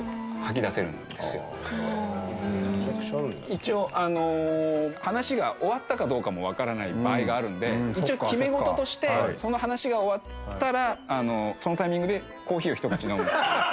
一応話が終わったかどうかもわからない場合があるので一応決め事としてその話が終わったらそのタイミングでコーヒーを一口飲む。